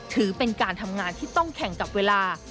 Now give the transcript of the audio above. ถือเป็นการทำงานที่ต้องแข่งกับเวลา